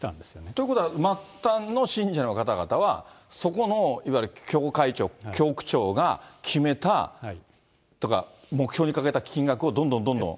ということは、末端の信者の方々は、そこのいわゆる教区長、教区長が決めたとか、目標に掲げた金額をどんどんどんどん？